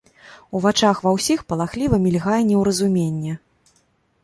У вачах ва ўсіх палахліва мільгае неўразуменне.